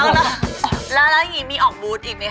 แล้วมันยังมีออกบูธอีกมั๊คะ